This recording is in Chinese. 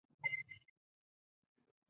回程往观塘会继续途经秀明道。